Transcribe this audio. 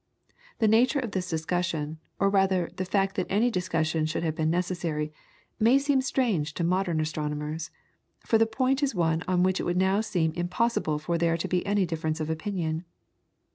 The nature of this discussion, or rather the fact that any discussion should have been necessary, may seem strange to modern astronomers, for the point is one on which it would now seem impossible for there to be any difference of opinion.